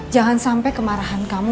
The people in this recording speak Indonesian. jangan sampai kemarahan kamu